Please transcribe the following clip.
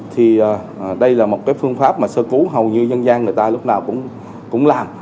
thì đây là một phương pháp sơ cứu hầu như dân gian người ta lúc nào cũng làm